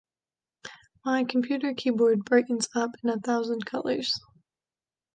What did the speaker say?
My computer keyboard brightens up in a thousand colors.